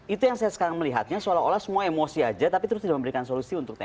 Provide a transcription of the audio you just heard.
itu yang saya sekarang melihatnya seolah olah semua emosi aja tapi terus tidak memberikan solusi untuk tni